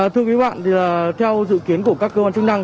thưa quý bạn thì là theo dự kiến của các cơ quan chức năng